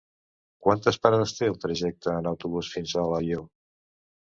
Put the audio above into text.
Quantes parades té el trajecte en autobús fins a Alaior?